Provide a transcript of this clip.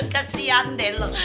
kesian deh lo